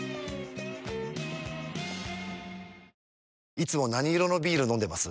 いつも何色のビール飲んでます？